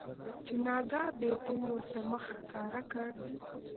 چې ناګاه بيتون ورته مخ ښکاره کړ.